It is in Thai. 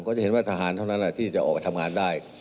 จะเห็นว่าทหารเท่านั้นที่จะออกไปทำงานได้